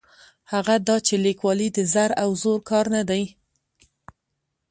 هغه دا چې لیکوالي د زر او زور کار نه دی.